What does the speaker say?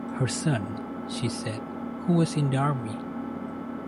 Her son, she said, who was in the army.